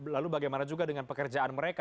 lalu bagaimana juga dengan pekerjaan mereka